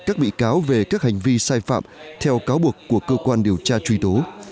các bị cáo về các hành vi sai phạm theo cáo buộc của cơ quan điều tra truy tố